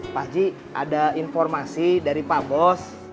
pak haji ada informasi dari pak bos